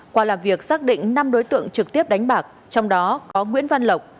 qua làm việc xác định năm đối tượng trực tiếp đánh bạc trong đó có nguyễn văn lộc